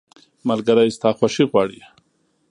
ملګری ستا خوښي غواړي.